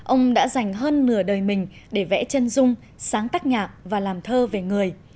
ông đã dành hơn nửa đời mình để vẽ chân dung sáng tác nhạc và làm thơ về người